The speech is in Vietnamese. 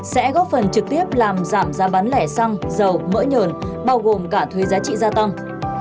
sẽ góp phần trực tiếp làm giảm giá bán lẻ xăng dầu mỡ nhờn bao gồm cả thuế giá trị gia tăng